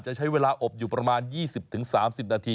จะใช้เวลาอบอยู่ประมาณยี่สิบถึงสามสิบนาที